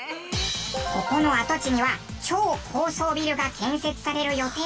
ここの跡地には超高層ビルが建設される予定との事です。